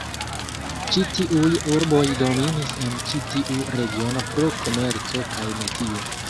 Ĉi tiuj urboj dominis en ĉi tiu regiono pro komerco kaj metio.